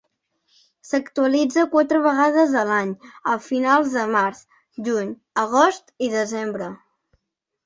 S'actualitza quatre vegades a l'any, a finals de març, juny, agost i desembre.